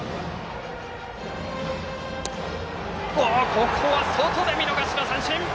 ここは外で見逃し三振！